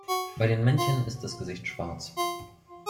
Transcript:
Bei dem Männchen ist das Gesicht schwarz.